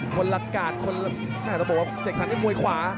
คนลัดกัดน่าจะบอกว่าเด็กสันนี่มวยขวา